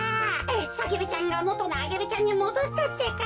サゲルちゃんがもとのアゲルちゃんにもどったってか。